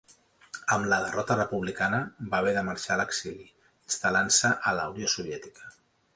Amb la derrota republicana va haver de marxar a l'exili, instal·lant-se en la Unió Soviètica.